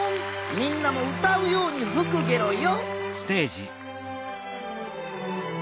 みんなも歌うようにふくゲロよん。